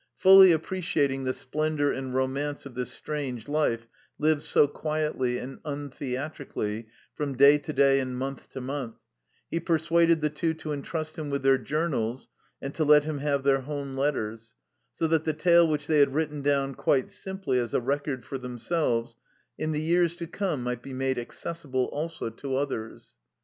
Fully appreciating the splendour and romance of this strange life lived so quietly and untheatrically from day to day and month to month, he persuaded the Two to entrust him with their journals and to let him have their home letters, 'so that the tale which they had written down quite simply as a record for themselves in the years to come might be made accessible also to others.